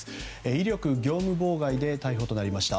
威力業務妨害で逮捕となりました。